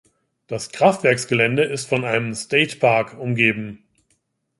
Das Kraftwerksgelände ist von einem State Park umgeben.